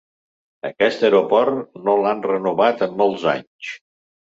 Aquest aeroport no l'han renovat en molts anys.